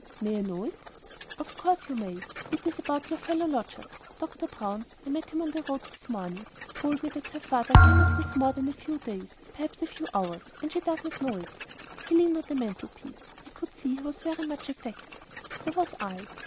"May I know it?" "Of course you may. It is about our fellow lodgers. Doctor Brown I met him on the road this morning told me that her father cannot live more than a few days perhaps a few hours. And she does not know it." He leaned on the mantelpiece. I could see he was very much affected. So was I.